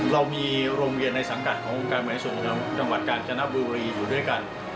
เรามีโรงเรียนขององค์กรแผนสรวงกาญจนบุรีอยู่ด้วยกัน